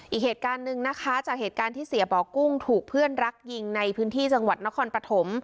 อีกเหตุการณ์หนึ่งนะคะจากเหตุการณ์ที่เสียบ่อกุ้งถูกเพื่อนรักยิงในพื้นที่จังหวัดนครปฐม